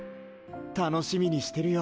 楽しみにしてるよ。